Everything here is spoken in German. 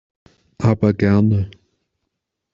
Aber gerne!